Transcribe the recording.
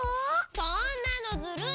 そんなのずるいよ！